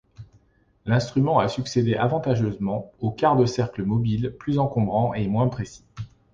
L'instrument a succédé avantageusement au quart de cercle mobile plus encombrant et moins précis.